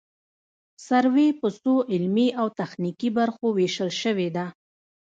سروې په څو علمي او تخنیکي برخو ویشل شوې ده